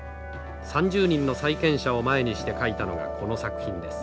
３０人の債権者を前にして描いたのがこの作品です。